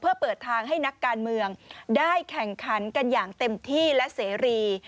เพื่อเปิดทางให้นักการเมืองได้แข่งขันกันอย่างเต็มที่และเสรี